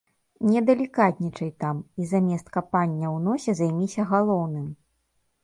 Не далікатнічай там і замест капання ў носе займіся галоўным!